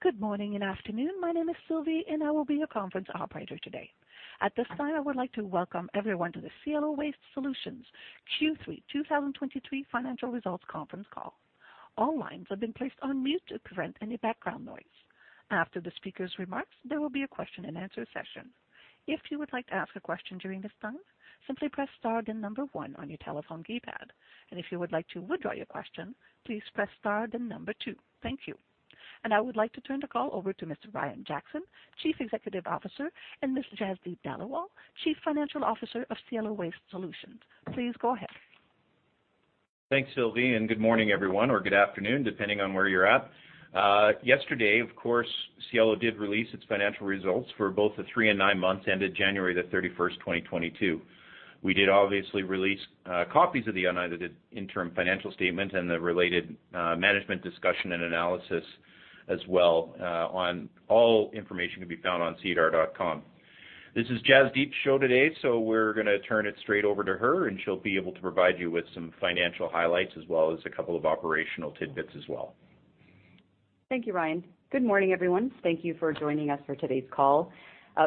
Good morning and afternoon. My name is Sylvie, I will be your conference operator today. At this time, I would like to welcome everyone to the Cielo Waste Solutions Q3 2023 financial results conference call. All lines have been placed on mute to prevent any background noise. After the speaker's remarks, there will be a question-and-answer session. If you would like to ask a question during this time, simply press star then number one on your telephone keypad, and if you would like to withdraw your question, please press star then number two. Thank you. I would like to turn the call over to Mr. Ryan Jackson, Chief Executive Officer, and Ms. Jasdeep Dhaliwal, Chief Financial Officer of Cielo Waste Solutions. Please go ahead. Thanks, Sylvie, and good morning, everyone, or good afternoon, depending on where you're at. Yesterday, of course, Cielo did release its financial results for both the 3 and 9 months ended January 31st, 2022. We did obviously release copies of the unaudited interim financial statement and the related management discussion and analysis as well, on all information can be found on SEDAR.com. This is Jasdeep's show today, so we're gonna turn it straight over to her, and she'll be able to provide you with some financial highlights as well as a couple of operational tidbits as well. Thank you, Ryan. Good morning, everyone. Thank you for joining us for today's call.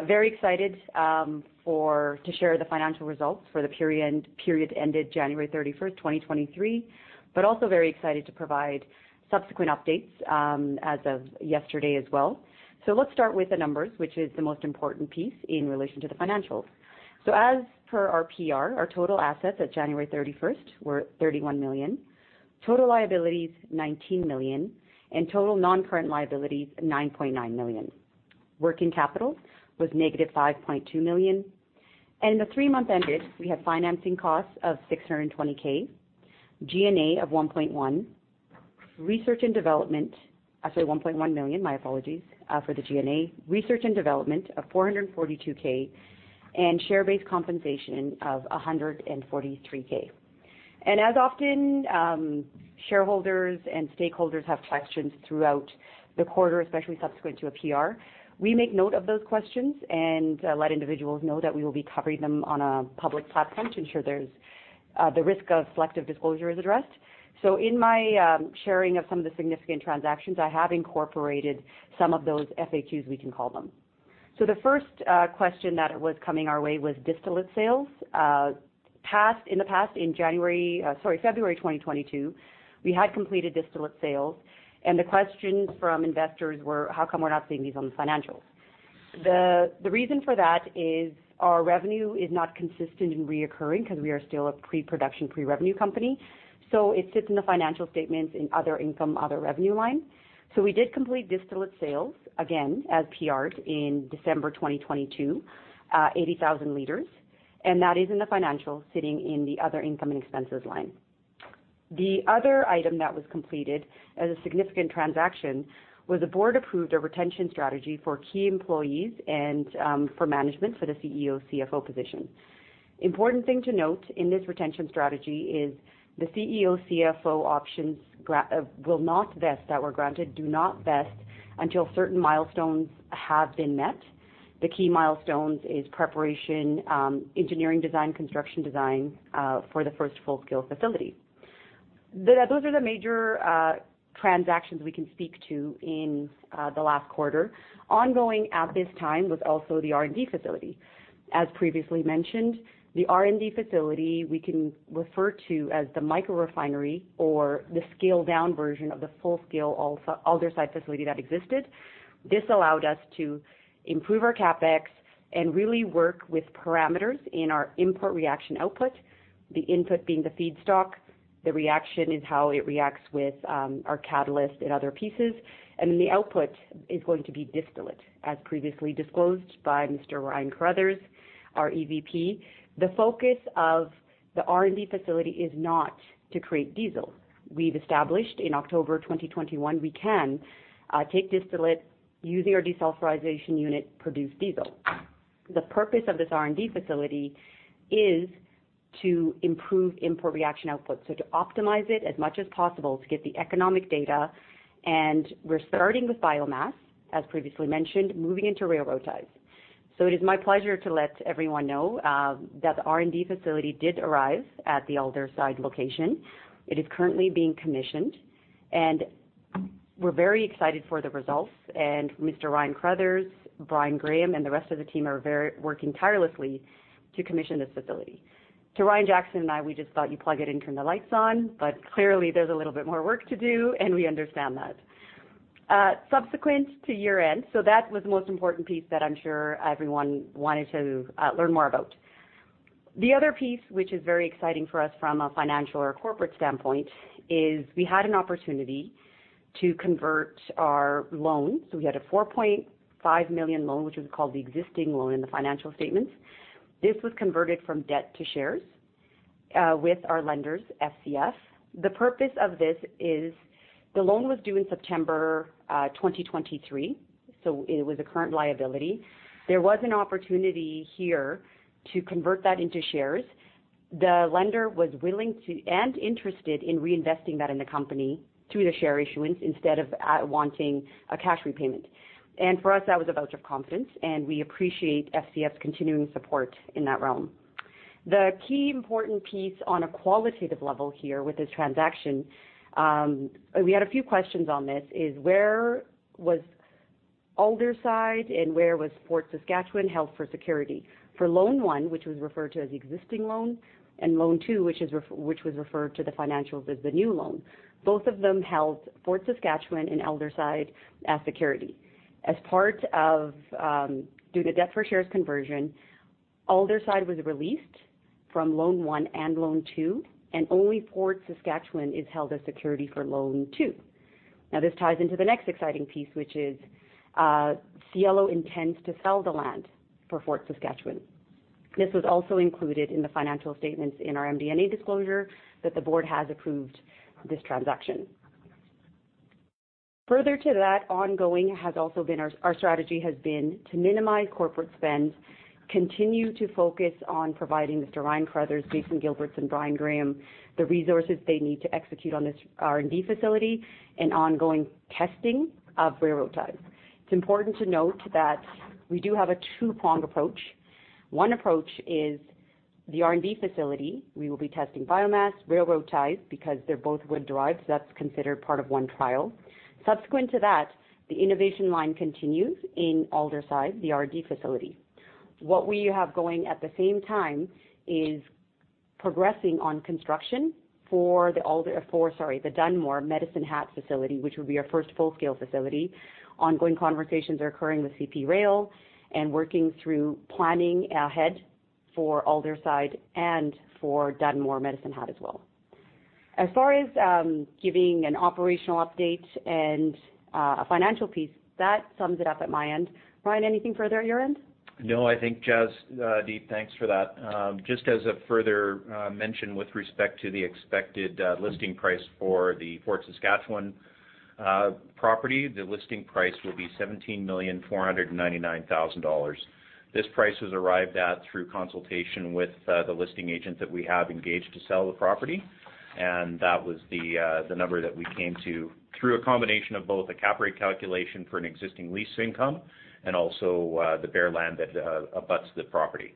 Very excited to share the financial results for the period ended January 31st, 2023, but also very excited to provide subsequent updates as of yesterday as well. Let's start with the numbers, which is the most important piece in relation to the financials. As per our PR, our total assets at January 31st were 31 million, total liabilities 19 million, and total non-current liabilities 9.9 million. Working capital was negative 5.2 million, and in the three-month ended, we had financing costs of 620K, G&A of 1.1 million, research and development. Research and development of 442K, and share-based compensation of 143K. As often, shareholders and stakeholders have questions throughout the quarter, especially subsequent to a PR. We make note of those questions and let individuals know that we will be covering them on a public platform to ensure there's the risk of selective disclosure is addressed. In my sharing of some of the significant transactions, I have incorporated some of those FAQs, we can call them. The first question that was coming our way was distillate sales. In the past, in January, sorry, February 2022, we had completed distillate sales, and the questions from investors were, "How come we're not seeing these on the financials?" The reason for that is our revenue is not consistent in reoccurring because we are still a pre-production, pre-revenue company. It sits in the financial statements in other income, other revenue line. We did complete distillate sales, again, as PRs in December 2022, 80,000 liters, and that is in the financial sitting in the other income and expenses line. The other item that was completed as a significant transaction was the board approved a retention strategy for key employees and for management for the CEO, CFO position. Important thing to note in this retention strategy is the CEO, CFO options will not vest, that were granted, do not vest until certain milestones have been met. The key milestones is preparation, engineering design, construction design for the first full-scale facility. Those are the major transactions we can speak to in the last quarter. Ongoing at this time was also the R&D facility. As previously mentioned, the R&D facility we can refer to as the micro-refinery or the scaled-down version of the full-scale Aldersyde facility that existed. This allowed us to improve our CapEx and really work with parameters in our input, reaction, output, the input being the feedstock, the reaction is how it reacts with our catalyst and other pieces, and then the output is going to be distillate, as previously disclosed by Mr. Ryan Carruthers, our EVP. The focus of the R&D facility is not to create diesel. We've established in October 2021, we can take distillate using our desulfurization unit, produce diesel. The purpose of this R&D facility is to improve input, reaction, output. To optimize it as much as possible to get the economic data. We're starting with biomass, as previously mentioned, moving into railroad ties. It is my pleasure to let everyone know that the R&D facility did arrive at the Aldersyde location. It is currently being commissioned, and we're very excited for the results. Mr. Ryan Carruthers, Brian Graham, and the rest of the team are very working tirelessly to commission this facility. To Ryan Jackson and I, we just thought you'd plug it in, turn the lights on, but clearly, there's a little bit more work to do, and we understand that. Subsequent to year-end. That was the most important piece that I'm sure everyone wanted to learn more about. The other piece, which is very exciting for us from a financial or corporate standpoint, is we had an opportunity to convert our loan. We had a 4.5 million loan, which was called the existing loan in the financial statements. This was converted from debt to shares with our lenders, FCF. The purpose of this is the loan was due in September 2023. It was a current liability. There was an opportunity here to convert that into shares. The lender was willing to, and interested in reinvesting that in the company through the share issuance instead of wanting a cash repayment. For us, that was a vote of confidence, and we appreciate FCF's continuing support in that realm. The key important piece on a qualitative level here with this transaction, we had a few questions on this, is where was Aldersyde and where was Fort Saskatchewan held for security? For loan 1, which was referred to as existing loan, and loan 2, which was referred to the financials as the new loan. Both of them held Fort Saskatchewan and Aldersyde as security. As part of, due to debt for shares conversion, Aldersyde was released from loan 1 and loan 2, and only Fort Saskatchewan is held as security for loan 2. This ties into the next exciting piece, which is, Cielo intends to sell the land for Fort Saskatchewan. This was also included in the financial statements in our MD&A disclosure that the board has approved this transaction. Further to that, ongoing has also been our strategy has been to minimize corporate spend, continue to focus on providing Mr. Ryan Carruthers, Jason Giles, and Brian Graham the resources they need to execute on this R&D facility and ongoing testing of railroad ties. It's important to note that we do have a two-prong approach. One approach is the R&D facility. We will be testing biomass, railroad ties, because they're both wood derived, so that's considered part of one trial. Subsequent to that, the innovation line continues in Aldersyde, the R&D facility. What we have going at the same time is progressing on construction for the Dunmore Medicine Hat facility, which will be our first full-scale facility. Ongoing conversations are occurring with CP Rail and working through planning ahead for Aldersyde and for Dunmore Medicine Hat as well. As far as, giving an operational update and a financial piece, that sums it up at my end. Ryan, anything further at your end? No, I think Jasdeep, thanks for that. Just as a further mention with respect to the expected listing price for the Fort Saskatchewan property, the listing price will be 17,499,000 dollars. This price was arrived at through consultation with the listing agent that we have engaged to sell the property. That was the number that we came to through a combination of both a cap rate calculation for an existing lease income and also the bare land that abuts the property.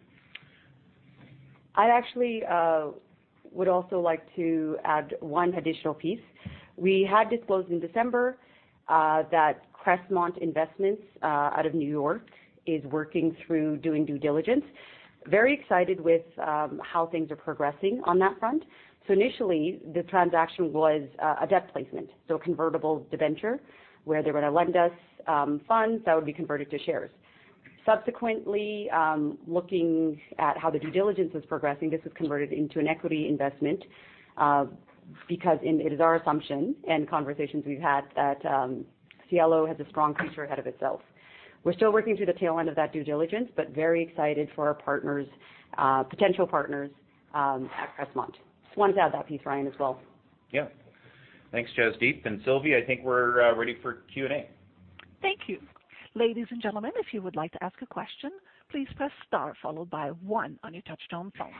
I actually would also like to add one additional piece. We had disclosed in December that Crestmont Investments out of New York is working through doing due diligence. Very excited with how things are progressing on that front. Initially, the transaction was a debt placement, so a convertible debenture, where they were gonna lend us funds that would be converted to shares. Subsequently, looking at how the due diligence is progressing, this was converted into an equity investment, because it is our assumption and conversations we've had that Cielo has a strong future ahead of itself. We're still working through the tail end of that due diligence, very excited for our partners, potential partners, at Crestmont. Just wanted to add that piece, Ryan, as well. Yeah. Thanks, Jasdeep. Sylvie, I think we're ready for Q&A. Thank you. Ladies and gentlemen, if you would like to ask a question, please press star followed by 1 on your touch-tone phone.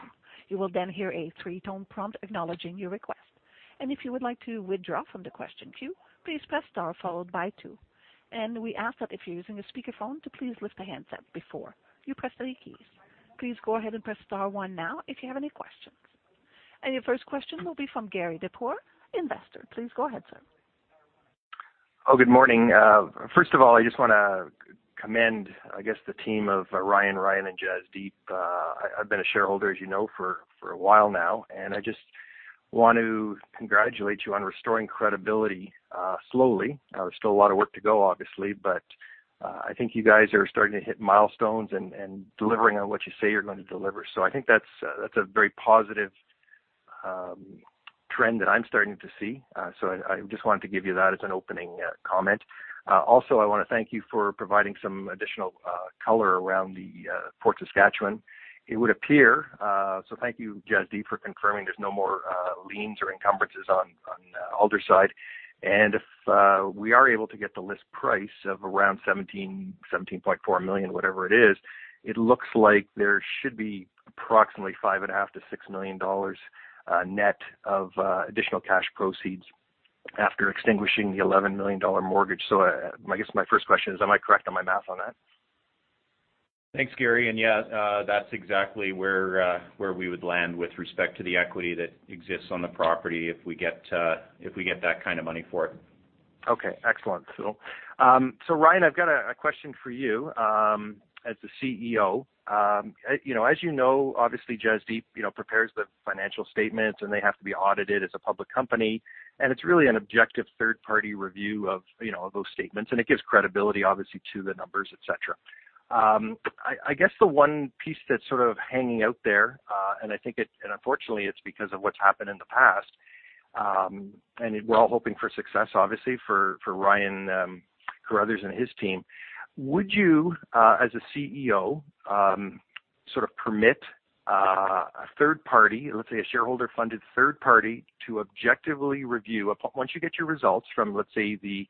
You will then hear a 3-tone prompt acknowledging your request. If you would like to withdraw from the question queue, please press star followed by 2. We ask that if you're using a speakerphone to please lift the handset before you press any keys. Please go ahead and press star 1 now if you have any questions. Your first question will be from Gary Deppor, investor. Please go ahead, sir. Good morning. First of all, I just want to commend, I guess, the team of Ryan, and Jasdeep. I've been a shareholder, as you know, for a while now, and I just want to congratulate you on restoring credibility slowly. There's still a lot of work to go, obviously, I think you guys are starting to hit milestones and delivering on what you say you're going to deliver. I think that's a very positive trend that I'm starting to see. I just wanted to give you that as an opening comment. Also, I wanna thank you for providing some additional color around the Fort Saskatchewan. It would appear, thank you, Jasdeep, for confirming there's no more liens or encumbrances on Aldersyde. If we are able to get the list price of around 17 million-17.4 million, whatever it is, it looks like there should be approximately five and a half to six million dollars, net of additional cash proceeds after extinguishing the 11 million dollar mortgage. I guess my first question is, am I correct on my math on that? Thanks, Gary. Yeah, that's exactly where we would land with respect to the equity that exists on the property if we get that kind of money for it. Okay. Excellent. Ryan, I've got a question for you, as the CEO. You know, as you know, obviously Jasdeep, you know, prepares the financial statements and they have to be audited as a public company, and it's really an objective third party review of, you know, of those statements, and it gives credibility obviously to the numbers, et cetera. I guess the one piece that's sort of hanging out there, unfortunately, it's because of what's happened in the past, we're all hoping for success, obviously for Ryan Carruthers and his team. Would you, as a CEO, sort of permit a third party, let's say a shareholder-funded third party, to objectively review once you get your results from, let's say, the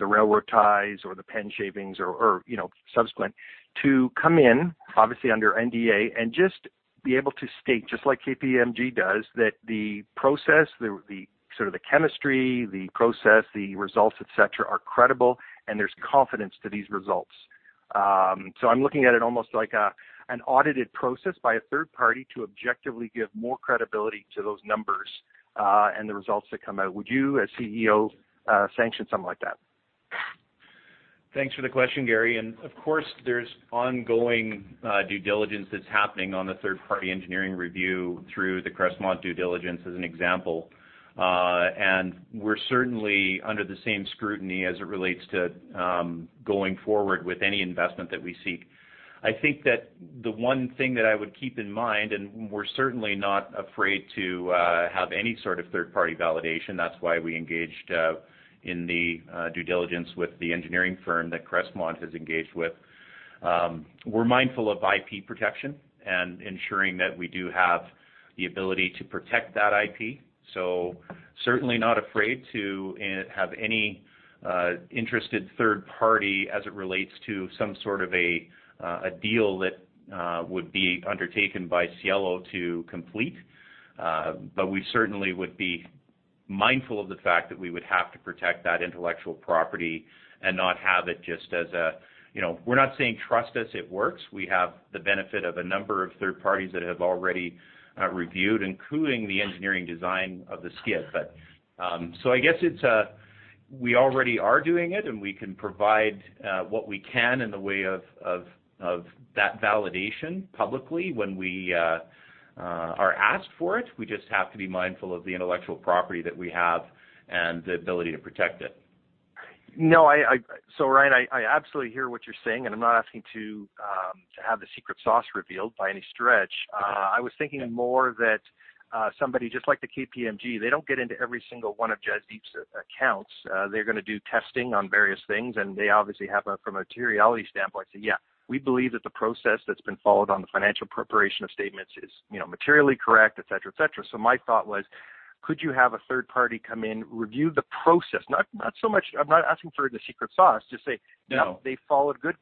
railroad ties or the pen shavings or, you know, subsequent to come in obviously under NDA and just be able to state, just like KPMG does, that the process, the sort of the chemistry, the process, the results, et cetera, are credible and there's confidence to these results? I'm looking at it almost like an audited process by a third party to objectively give more credibility to those numbers and the results that come out. Would you, as CEO, sanction something like that? Thanks for the question, Gary. Of course, there's ongoing due diligence that's happening on the third-party engineering review through the Crestmont due diligence as an example. We're certainly under the same scrutiny as it relates to going forward with any investment that we seek. I think that the one thing that I would keep in mind. We're certainly not afraid to have any sort of third-party validation. That's why we engaged in the due diligence with the engineering firm that Crestmont is engaged with. We're mindful of IP protection and ensuring that we do have the ability to protect that IP. Certainly not afraid to have any interested third party as it relates to some sort of a deal that would be undertaken by Cielo to complete. We certainly would be mindful of the fact that we would have to protect that intellectual property and not have it. You know, we're not saying, "Trust us, it works." We have the benefit of a number of third parties that have already reviewed, including the engineering design of the SKIA. I guess it's, we already are doing it, and we can provide what we can in the way of that validation publicly when we are asked for it. We just have to be mindful of the intellectual property that we have and the ability to protect it. No, I Ryan, I absolutely hear what you're saying, and I'm not asking to have the secret sauce revealed by any stretch. Okay. I was thinking more that somebody just like the KPMG, they don't get into every single one of Jasdeep's accounts. They're gonna do testing on various things, and they obviously have a, from a materiality standpoint, say, "Yeah, we believe that the process that's been followed on the financial preparation of statements is, you know, materially correct," et cetera, et cetera. My thought was, could you have a third party come in, review the process? Not so much... I'm not asking for the secret sauce. Just say... No. they followed good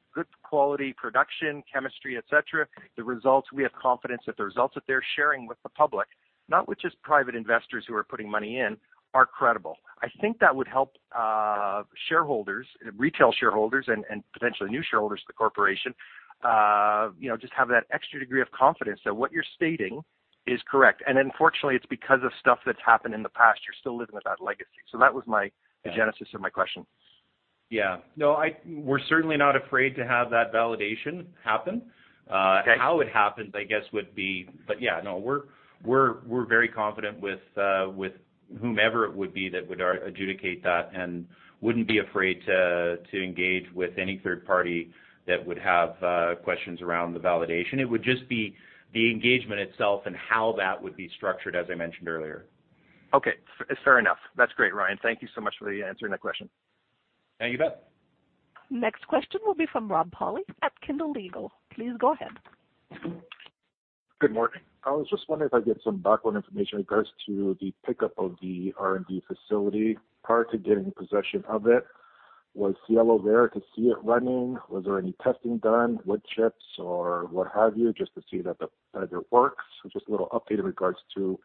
quality production, chemistry, et cetera. The results, we have confidence that the results that they're sharing with the public, not with just private investors who are putting money in, are credible. I think that would help shareholders, retail shareholders and potentially new shareholders to the corporation, you know, just have that extra degree of confidence that what you're stating is correct. Unfortunately, it's because of stuff that's happened in the past, you're still living with that legacy. That was my- Yeah. the genesis of my question. We're certainly not afraid to have that validation happen. how it happens, I guess, would be. Yeah, no, we're very confident with whomever it would be that would adjudicate that and wouldn't be afraid to engage with any third party that would have questions around the validation. It would just be the engagement itself and how that would be structured, as I mentioned earlier. Okay. Fair enough. That's great, Ryan. Thank you so much for answering that question. Thank you, Beth. Next question will be from Rob Pauli at Kendall Legal. Please go ahead. Good morning. I was just wondering if I get some background information in regards to the pickup of the R&D facility. Prior to getting possession of it, was Cielo there to see it running? Was there any testing done, wood chips or what have you, just to see that it works? Just a little update in regards to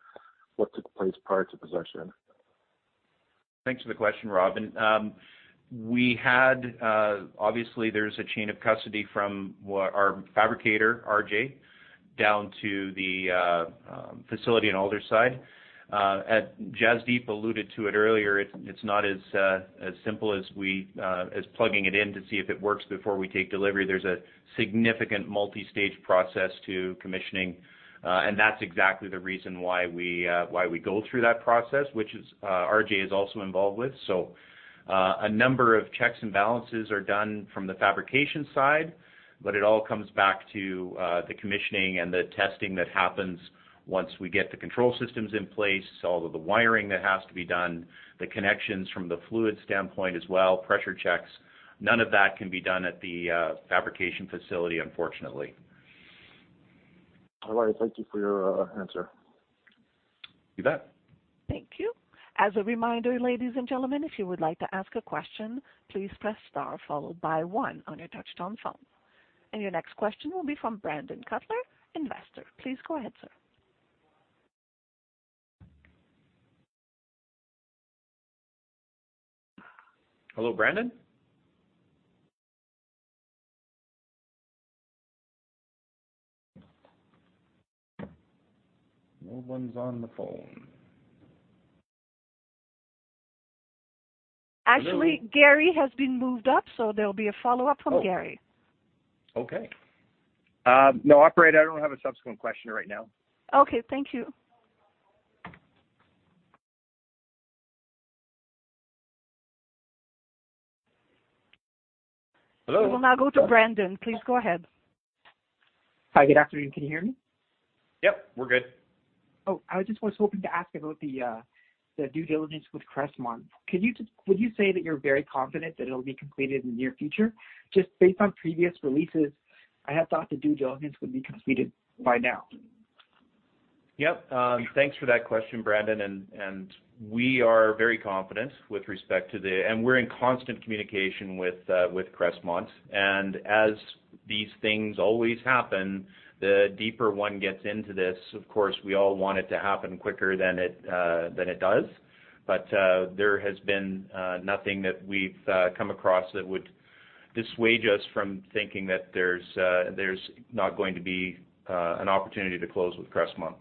what took place prior to possession. Thanks for the question, Rob. Obviously there's a chain of custody from what our fabricator, RJ, down to the facility in Aldersyde. As Jasdeep alluded to it earlier, it's not as simple as plugging it in to see if it works before we take delivery. There's a significant multi-stage process to commissioning, and that's exactly the reason why we go through that process, which RJ is also involved with. A number of checks and balances are done from the fabrication side, but it all comes back to the commissioning and the testing that happens once we get the control systems in place. All of the wiring that has to be done, the connections from the fluid standpoint as well, pressure checks, none of that can be done at the fabrication facility, unfortunately. All right. Thank you for your answer. You bet. Thank you. As a reminder, ladies and gentlemen, if you would like to ask a question, please press star followed by one on your touchtone phone. Your next question will be from Brandon Cutler, Investor. Please go ahead, sir. Hello, Brandon? No one's on the phone. Actually, Gary has been moved up, so there'll be a follow-up from Gary. Oh, okay. No, Operator. I don't have a subsequent question right now. Okay. Thank you. Hello? We will now go to Brandon. Please go ahead. Hi, good afternoon. Can you hear me? Yep, we're good. I just was hoping to ask about the due diligence with Crestmont. Would you say that you're very confident that it'll be completed in the near future? Based on previous releases, I had thought the due diligence would be completed by now. Yep. Thanks for that question, Brandon. We are very confident. We're in constant communication with Crestmont. As these things always happen. The deeper one gets into this, of course, we all want it to happen quicker than it than it does. There has been nothing that we've come across that would dissuade us from thinking that there's there's not going to be an opportunity to close with Crestmont.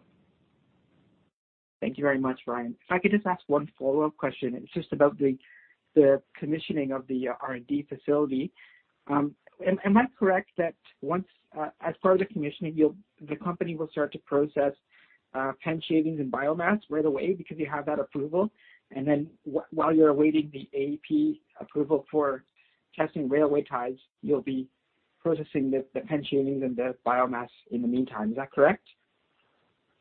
Thank you very much, Ryan. If I could just ask one follow-up question. It's just about the commissioning of the R&D facility. Am I correct that once as part of the commissioning, the company will start to process pen shavings and biomass right away because you have that approval, while you're awaiting the EPEA approval for testing railway ties, you'll be processing the pen shavings and the biomass in the meantime. Is that correct?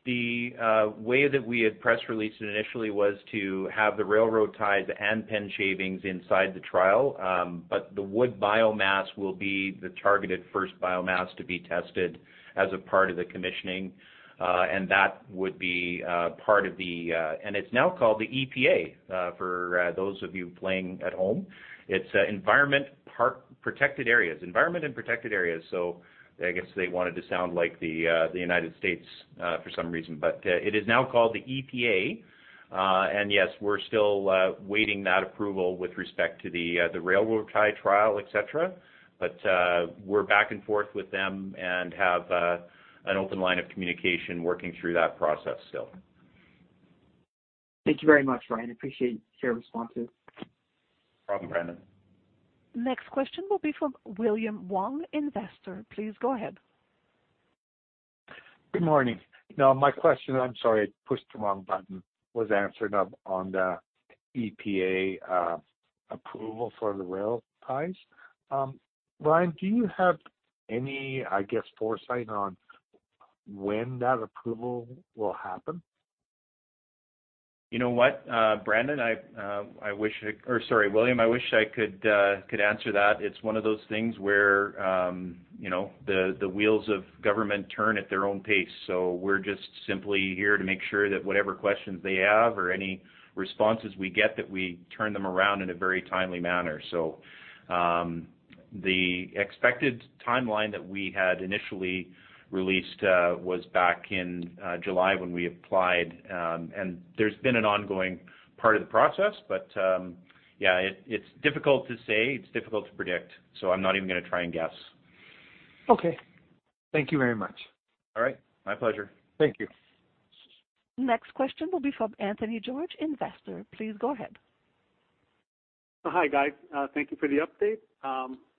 The way that we had press released it initially was to have the railroad ties and pen shavings inside the trial. The wood biomass will be the targeted first biomass to be tested as a part of the commissioning. It's now called the EPA, for those of you playing at home. It's Environment and Protected Areas. I guess they wanted to sound like the United States for some reason, but it is now called the EPA. Yes, we're still waiting that approval with respect to the railroad tie trial, et cetera. We're back and forth with them and have an open line of communication working through that process still. Thank you very much, Ryan. Appreciate your responses. No problem, Brandon. Next question will be from William Wong, investor. Please go ahead. Good morning. My question, I'm sorry, I pushed the wrong button, was answered up on the EPA approval for the rail ties. Ryan, do you have any, I guess, foresight on when that approval will happen? You know what, Brandon, or sorry, William, I wish I could answer that. It's one of those things where, you know, the wheels of government turn at their own pace. We're just simply here to make sure that whatever questions they have or any responses we get, that we turn them around in a very timely manner. The expected timeline that we had initially released was back in July when we applied. There's been an ongoing part of the process. Yeah, it's difficult to say, it's difficult to predict. I'm not even gonna try and guess. Okay. Thank you very much. All right. My pleasure. Thank you. Next question will be from Anthony George, investor. Please go ahead. Hi, guys. Thank you for the update.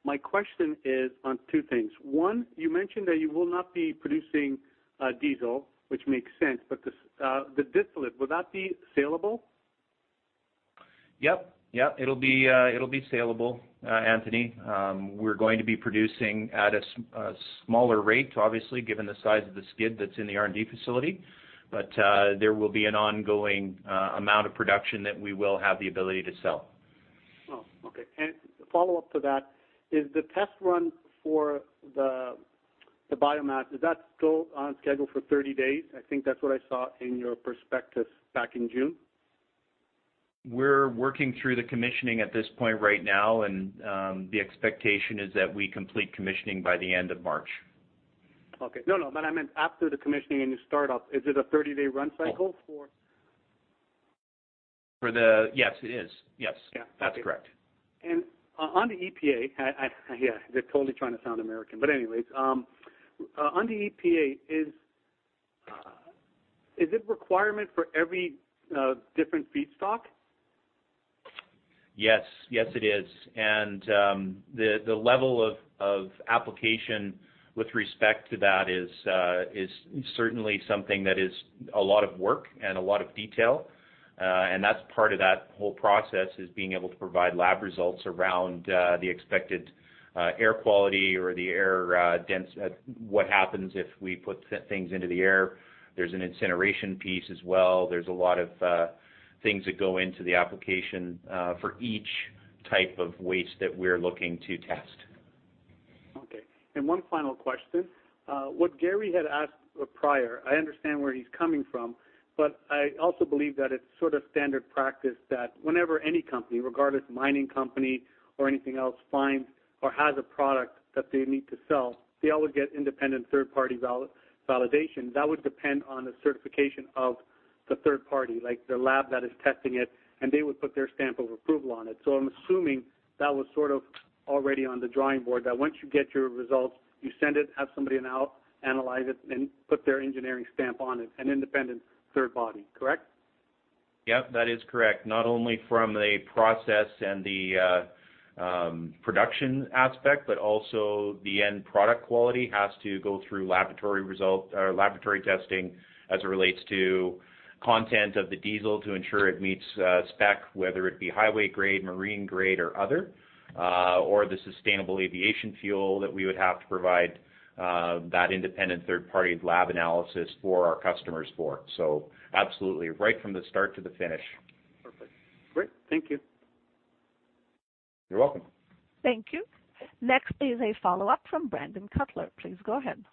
My question is on two things. One, you mentioned that you will not be producing diesel, which makes sense. The distillate, will that be saleable? Yep. Yeah, it'll be, it'll be saleable, Anthony. We're going to be producing at a smaller rate, obviously, given the size of the skid that's in the R&D facility. There will be an ongoing amount of production that we will have the ability to sell. Oh, okay. Follow-up to that, is the test run for the biomass, is that still on schedule for 30 days? I think that's what I saw in your prospectus back in June. We're working through the commissioning at this point right now, and the expectation is that we complete commissioning by the end of March. Okay. No, no, I meant after the commissioning and you start up, is it a 30-day run cycle for- Yes, it is. Yes. Yeah. Okay. That's correct. On the EPEA, I. Yeah, they're totally trying to sound American. Anyways. On the EPEA, is it requirement for every different feedstock? Yes. Yes, it is. The, the level of application with respect to that is certainly something that is a lot of work and a lot of detail. That's part of that whole process, is being able to provide lab results around the expected air quality or the air, what happens if we put things into the air. There's an incineration piece as well. There's a lot of things that go into the application for each type of waste that we're looking to test. Okay. One final question. what Gary had asked prior, I understand where he's coming from, but I also believe that it's sort of standard practice that whenever any company, regardless mining company or anything else, finds or has a product that they need to sell, they all would get independent third party validation. That would depend on the certification of the third party, like the lab that is testing it, and they would put their stamp of approval on it. I'm assuming that was sort of already on the drawing board, that once you get your results, you send it, have somebody analyze it and put their engineering stamp on it, an independent third body. Correct? Yep, that is correct. Not only from the process and the production aspect, but also the end product quality has to go through laboratory testing as it relates to content of the diesel to ensure it meets spec, whether it be highway grade, marine grade or other, or the Sustainable Aviation Fuel that we would have to provide that independent third party lab analysis for our customers for. Absolutely, right from the start to the finish. Perfect. Great. Thank you. You're welcome. Thank you. Next is a follow-up from Brandon Cutler. Please go ahead.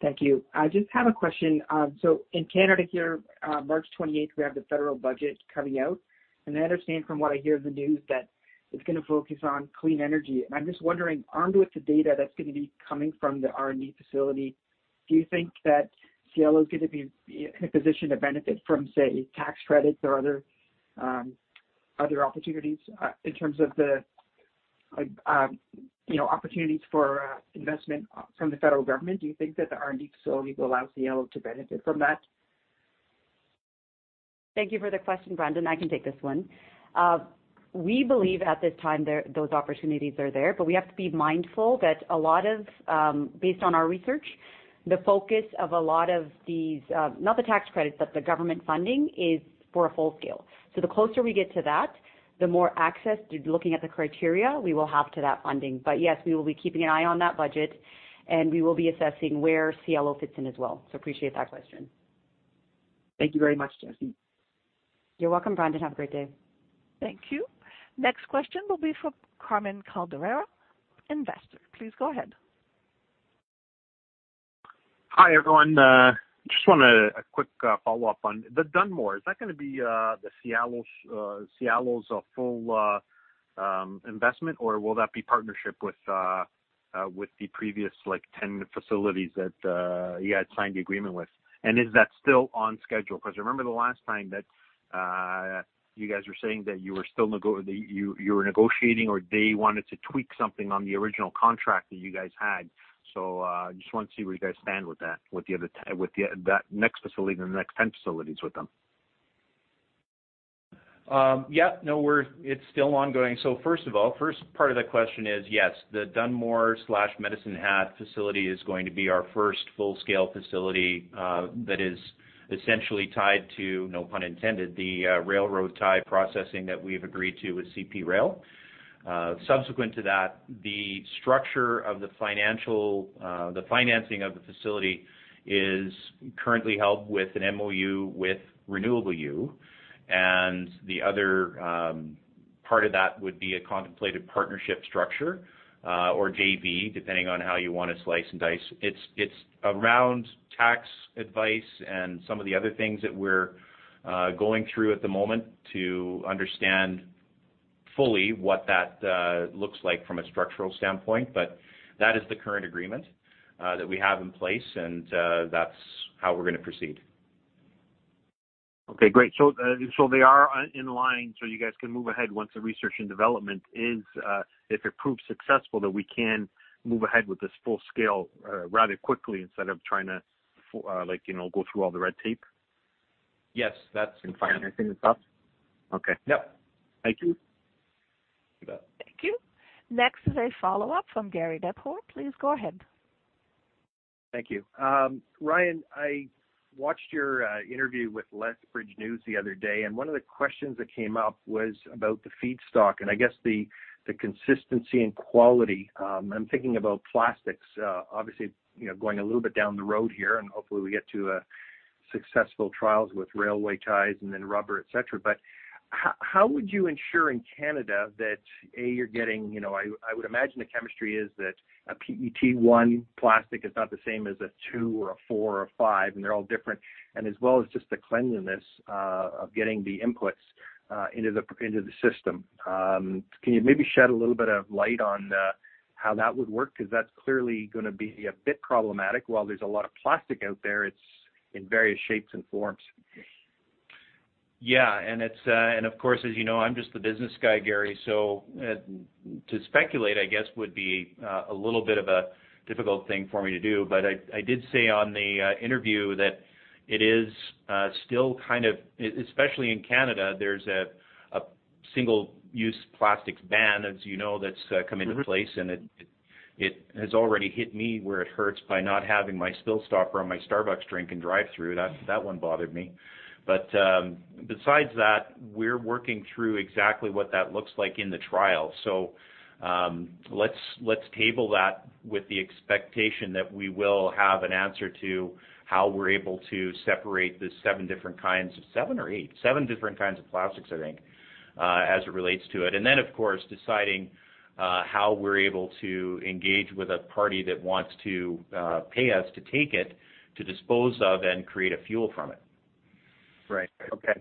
Thank you. I just have a question. In Canada here, March 28th, we have the federal budget coming out. I understand from what I hear in the news that it's gonna focus on clean energy. I'm just wondering, armed with the data that's gonna be coming from the R&D facility, do you think that Cielo is gonna be in a position to benefit from, say, tax credits or other opportunities, in terms of the, like, you know, opportunities for investment from the federal government? Do you think that the R&D facility will allow Cielo to benefit from that? Thank you for the question, Brandon. I can take this one. We believe at this time those opportunities are there, but we have to be mindful that a lot of, based on our research, the focus of a lot of these, not the tax credits, but the government funding is for a full scale. The closer we get to that, the more access to looking at the criteria we will have to that funding. Yes, we will be keeping an eye on that budget, and we will be assessing where Cielo fits in as well. Appreciate that question. Thank you very much, Jasdeep. You're welcome, Brandon. Have a great day. Thank you. Next question will be from Carmen Calderaro, Investor. Please go ahead. Hi, everyone. Just wanna quick follow-up on the Dunmore. Is that gonna be the Cielo's full investment, or will that be partnership with the previous, like, 10 facilities that you had signed the agreement with? Is that still on schedule? I remember the last time that you guys were saying that you were still negotiating or they wanted to tweak something on the original contract that you guys had. Just wanna see where you guys stand with that, with the other, that next facility and the next 10 facilities with them. Yeah. No, it's still ongoing. First of all, first part of the question is, yes, the Dunmore/Medicine Hat facility is going to be our first full-scale facility that is essentially tied to, no pun intended, the railroad tie processing that we've agreed to with CP Rail. Subsequent to that, the structure of the financial, the financing of the facility is currently held with an MOU with Renewable U. The other part of that would be a contemplated partnership structure or JV, depending on how you wanna slice and dice. It's, it's around tax advice and some of the other things that we're going through at the moment to understand fully what that looks like from a structural standpoint. That is the current agreement that we have in place, and that's how we're gonna proceed. Okay, great. they are in line, so you guys can move ahead once the research and development is, if it proves successful, that we can move ahead with this full scale, rather quickly instead of trying to like, you know, go through all the red tape? Yes. Financing and stuff? Okay. Yep. Thank you. You bet. Thank you. Next is a follow-up from Gary Deppor. Please go ahead. Thank you. Ryan, I watched your interview with Lethbridge News the other day. One of the questions that came up was about the feedstock, and I guess the consistency in quality. I'm thinking about plastics, obviously, you know, going a little bit down the road here, and hopefully we get to a successful trials with railway ties and then rubber, et cetera. How would you ensure in Canada that, A, you're getting. You know, I would imagine the chemistry is that a PET1 plastic is not the same as a 2 or a 4 or a 5, and they're all different. As well as just the cleanliness of getting the inputs into the system. Can you maybe shed a little bit of light on the how that would work? That's clearly gonna be a bit problematic. While there's a lot of plastic out there, it's in various shapes and forms. Yeah. It's, and of course, as you know, I'm just the business guy, Gary. To speculate, I guess, would be a little bit of a difficult thing for me to do. I did say on the interview that it is still kind of, especially in Canada, there's a Single-use Plastics ban, as you know, that's come into place. Mm-hmm. It has already hit me where it hurts by not having my spill stopper on my Starbucks drink in drive-through. That one bothered me. Besides that, we're working through exactly what that looks like in the trial. Let's table that with the expectation that we will have an answer to how we're able to separate the seven different kinds of... Seven or eight? seven different kinds of plastics, I think, as it relates to it. Then, of course, deciding how we're able to engage with a party that wants to pay us to take it, to dispose of and create a fuel from it. Right. Okay.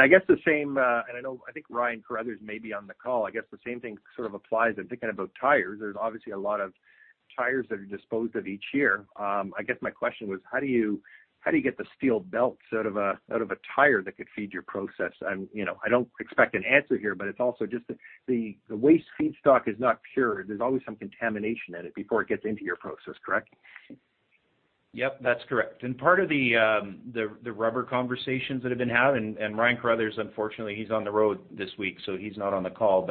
I guess the same. I know, I think Ryan Carruthers may be on the call. I guess the same thing sort of applies. I'm thinking about tires. There's obviously a lot of tires that are disposed of each year. I guess my question was: How do you get the steel belts out of a tire that could feed your process? You know, I don't expect an answer here, but it's also just the waste feedstock is not pure. There's always some contamination in it before it gets into your process, correct? Yep, that's correct. Part of the rubber conversations that have been had, and Ryan Carruthers, unfortunately, he's on the road this week, so he's not on the call.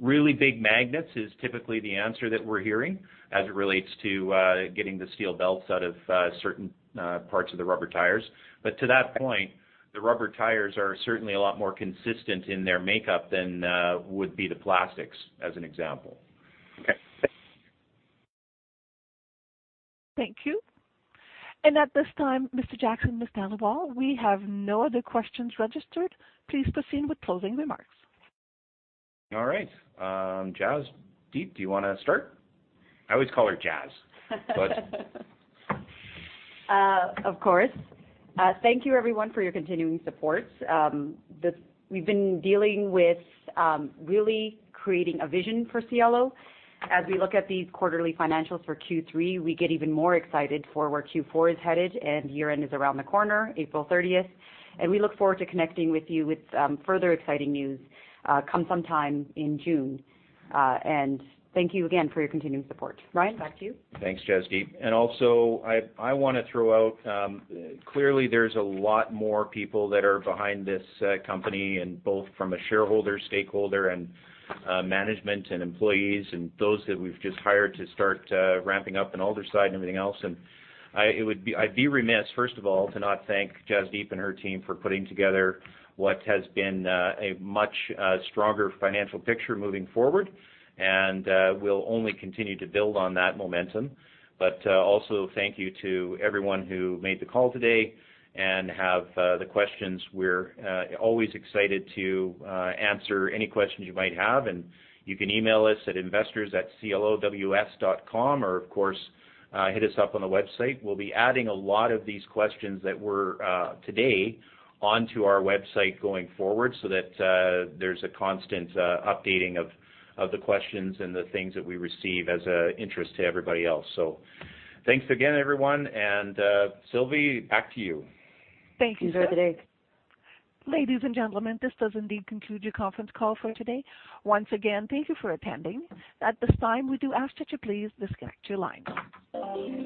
Really big magnets is typically the answer that we're hearing as it relates to getting the steel belts out of certain parts of the rubber tires. To that point, the rubber tires are certainly a lot more consistent in their makeup than would be the plastics, as an example. Okay. Thank you. Thank you. At this time, Mr. Jackson, Ms. Dhaliwal, we have no other questions registered. Please proceed with closing remarks. All right. Jasdeep, do you wanna start? I always call her Jazz. Of course. Thank you everyone for your continuing support. We've been dealing with really creating a vision for Cielo. As we look at these quarterly financials for Q3, we get even more excited for where Q4 is headed, and year-end is around the corner, April thirtieth. We look forward to connecting with you with further exciting news come sometime in June. Thank you again for your continued support. Ryan, back to you. Thanks, Jasdeep. I wanna throw out, clearly there's a lot more people that are behind this company and both from a shareholder, stakeholder and management and employees and those that we've just hired to start ramping up in Aldersyde and everything else. I'd be remiss, first of all, to not thank Jasdeep and her team for putting together what has been a much stronger financial picture moving forward. We'll only continue to build on that momentum. Also thank you to everyone who made the call today and have the questions. We're always excited to answer any questions you might have. You can email us at investors@cielows.com, or of course, hit us up on the website. We'll be adding a lot of these questions that were today onto our website going forward so that there's a constant updating of the questions and the things that we receive as an interest to everybody else. Thanks again, everyone. Sylvie, back to you. Thank you. Thanks, everybody. Ladies and gentlemen, this does indeed conclude your conference call for today. Once again, thank you for attending. At this time, we do ask that you please disconnect your lines.